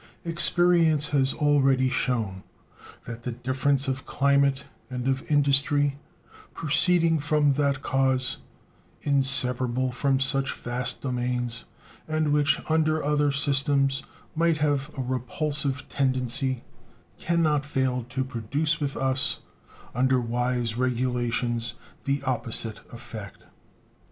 Experience has already shewn that the difference of climate and of industry, proceeding from that cause, inseparable from such vast domains, and which under other systems might have a repulsive tendency, can not fail to produce with us under wise regulations the opposite effect.